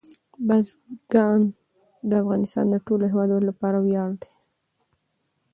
بزګان د افغانستان د ټولو هیوادوالو لپاره ویاړ دی.